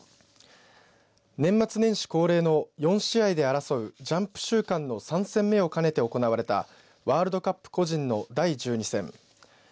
年末年始恒例の４試合で争うジャンプ週間の３戦目を兼ねて行われたワールドカップ個人の第１２戦。